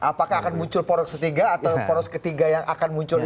apakah akan muncul poros ketiga atau poros ketiga yang akan muncul